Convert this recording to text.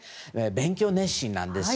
勉強熱心なんです。